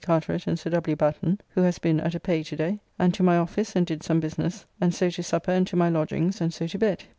Carteret and Sir W. Batten (who has been at a Pay to day), and to my office and did some business, and so to supper and to my lodgings, and so to bed.